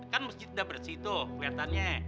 kan masjid udah bersih tuh keliatannya